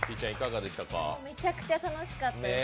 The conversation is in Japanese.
めちゃくちゃ楽しかったです。